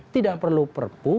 tidak perlu perpu